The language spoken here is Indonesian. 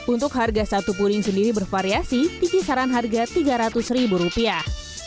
untuk harga satu puring sendiri bervariasi di kisaran harga tiga ratus ribu rupiah